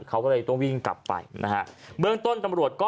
เขาก็เลยต้องวิ่งกลับไปนะฮะเบื้องต้นตำรวจก็